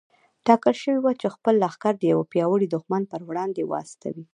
ټاکل شوې وه چې خپل لښکر د يوه پياوړي دښمن پر وړاندې واستوي.